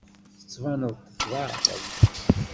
Tettbaneḍ-d tḍeɛfeḍ.